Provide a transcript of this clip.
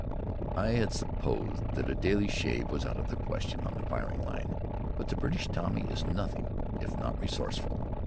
I had supposed that a daily shave was out of the question on the firing line; but the British Tommy is nothing if not resourceful.